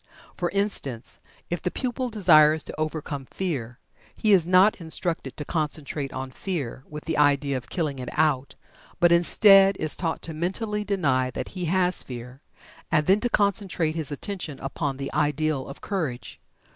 For instance, if the pupil desires to overcome Fear, he is not instructed to concentrate on Fear with the idea of killing it out, but, instead, is taught to mentally deny that he has Fear, and then to concentrate his attention upon the ideal of Courage.